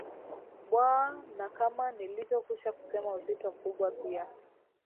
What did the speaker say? bwa na kama nilivyo kwisha kusema uzito mkubwa pia